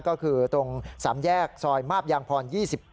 ก็คือตรง๓แยกซอยมาบยางพร๒๗